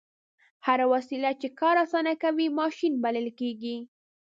هره وسیله چې کار اسانه کوي ماشین بلل کیږي.